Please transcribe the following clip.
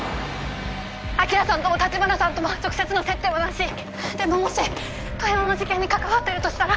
☎昭さんとも橘さんとも直接の接点はなしでももし富山の事件に関わってるとしたら